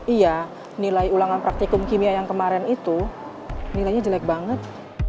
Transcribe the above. iya nilai ulangan praktikum kimia yang kemarin itu nilainya jelek banget